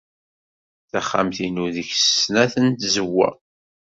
Taxxamt-inu deg-s snat n tzewwa.